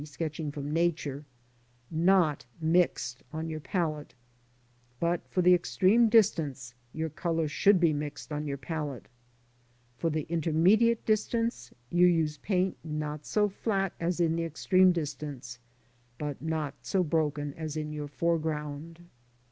"Sketching from Nature,'' p. 14), not mixed on your palette. But for the extreme distance your colour should be mixed on your palette. For the intermediate distance you use paint not so flat as in the extreme distance, but not so broken as in your foreground.